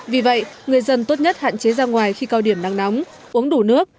vì vậy người dân tốt nhất hạn chế ra ngoài khi cao điểm nắng nóng uống đủ nước